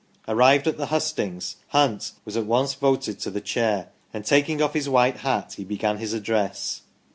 Arrived at the hustings Hunt was at once voted to the chair, and taking off his white hat, he began his address.